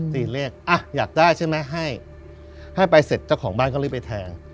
ตีเลขอ่ะอยากได้ใช่ไหมให้ให้ไปเสร็จเจ้าของบ้านก็รีบไปแทง